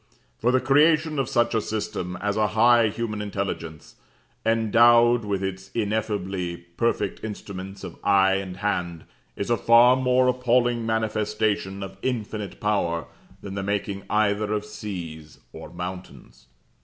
For the creation of such a system as a high human intelligence, endowed with its ineffably perfect instruments of eye and hand, is a far more appalling manifestation of Infinite Power, than the making either of seas or mountains.